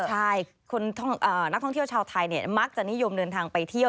ใช่นักท่องเที่ยวชาวไทยมักจะนิยมเดินทางไปเที่ยว